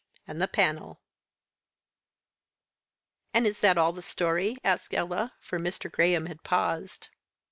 . AND THE PANEL "And is that all the story?" asked Ella, for Mr. Graham had paused.